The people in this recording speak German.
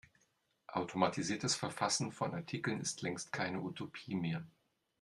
Automatisiertes Verfassen von Artikeln ist längst keine Utopie mehr.